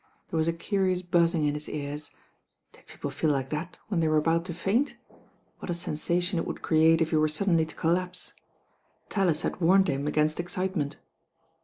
There was a curious buzzing in his ears. Did people feel like that when they were about to faint? What a sensation it would create if he were suddenly to col lapse. Tallis had warned him against excitement.